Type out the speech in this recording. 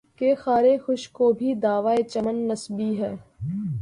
کہ خارِ خشک کو بھی دعویِ چمن نسبی ہے